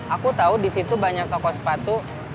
aku tahu di situ banyak toko sepatu